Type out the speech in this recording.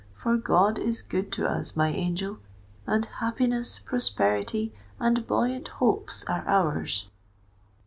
For God is good to us, my angel—and happiness, prosperity, and buoyant hopes are ours!